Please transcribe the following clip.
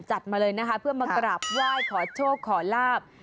มาเลยนะคะเพื่อมากราบไหว้ขอโชคขอลาบ